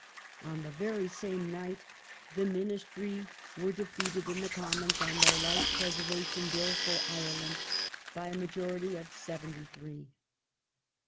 On the very same night the Ministry were defeated in the Defeat of Commons on their Life Preservation Bill for Ireland by a majority ^^^l'^ of seventy three.